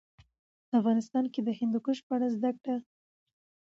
افغانستان کې د هندوکش په اړه زده کړه.